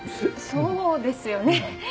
そうですよね。